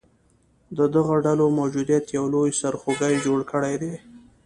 د دغه ډلو موجودیت یو لوی سرخوږې جوړ کړیدی